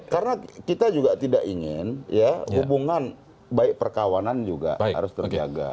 karena kita juga tidak ingin ya hubungan baik perkawanan juga harus terjaga